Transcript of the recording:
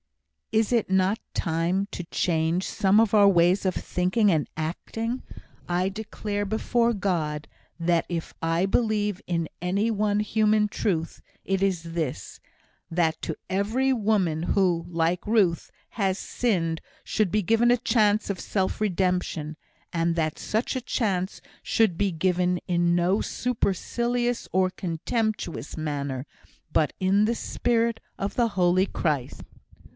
"Is it not time to change some of our ways of thinking and acting? I declare before God, that if I believe in any one human truth, it is this that to every woman who, like Ruth, has sinned, should be given a chance of self redemption and that such a chance should be given in no supercilious or contemptuous manner, but in the spirit of the holy Christ."